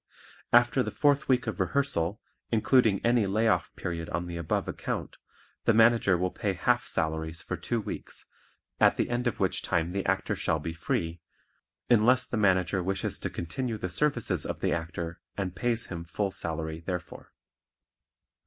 After the fourth week of rehearsal, including any lay off period on the above account, the Manager will pay half salaries for two weeks, at the end of which time the Actor shall be free, unless the Manager wishes to continue the services of the Actor and pays him full salary therefor.